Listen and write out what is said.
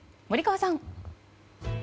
森川さん。